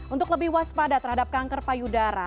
untuk lebih waspada terhadap kanker payudara